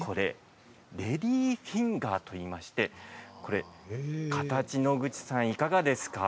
レディーフィンガーといいまして形、野口さんいかがですか。